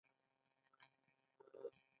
سوله ولې د ژوند اړتیا ده؟